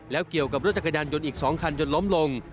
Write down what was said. แล้วเกี่ยวกับรถจักรยานยนต์อีก๒คันจนล้มลง